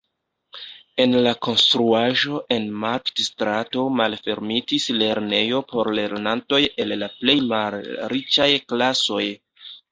En la konstruaĵo en Markt-strato malfermitis lernejo por lernantoj el la plej malriĉaj klasoj.